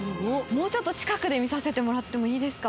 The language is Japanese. もうちょっと近くで見させてもらってもいいですか？